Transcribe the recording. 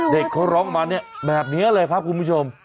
เด็กเขาร้องมาเนี่ยแบบนี้เลยครับคุณผู้ชม